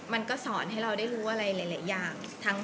มันก็สอนให้เราได้รู้อะไรหลายอย่าง